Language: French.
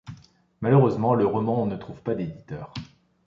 Malheureusement, le roman ne trouve pas d'éditeur.